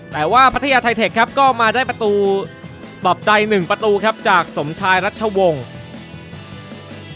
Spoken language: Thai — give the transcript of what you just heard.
แต่ว่าประเทศไทเทคก็มาได้ประตูตอบใจ๑ประตูจากสมชายรัชวงศ์